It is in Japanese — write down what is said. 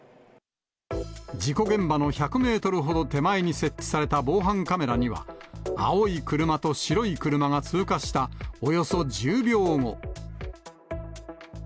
事故現場の１００メートルほど手前に設置された防犯カメラには、青い車と白い車が通過したおよそ１０秒後。